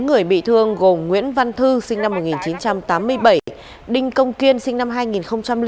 bốn người bị thương gồm nguyễn văn thư sinh năm một nghìn chín trăm tám mươi bảy đinh công kiên sinh năm hai nghìn chín